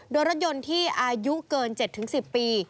โดยรถยนต์ที่อายุเกิน๗๑๐ปี